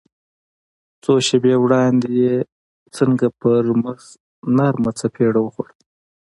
څو شېبې وړاندې يې څنګه پر مخ نرمه څپېړه وخوړه.